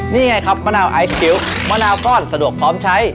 นี่ไงครับมะนาวไอศคิ้วมะนาวก้อนสะดวกพร้อมใช้